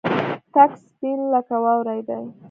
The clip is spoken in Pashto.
تک سپين لکه واورې دي.